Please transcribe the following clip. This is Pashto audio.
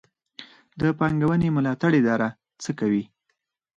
د پانګونې ملاتړ اداره څه کوي؟